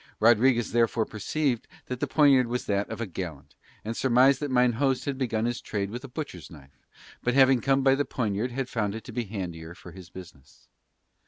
Rodriguez therefore perceived that the poniard was that of a gallant, and surmised that mine host had begun his trade with a butcher's knife, but having come by the poniard had found it to be handier for his business.